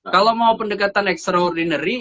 kalau mau pendekatan extraordinary